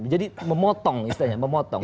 jadi memotong istilahnya memotong